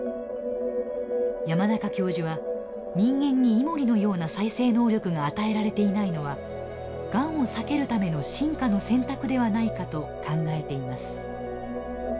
山中教授は人間にイモリのような再生能力が与えられていないのはがんを避けるための進化の選択ではないかと考えています。